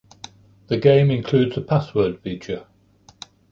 The game includes a password feature.